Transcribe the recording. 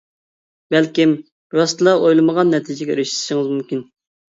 بەلكىم، راستلا ئويلىمىغان نەتىجىگە ئېرىشىشىڭىز مۇمكىن.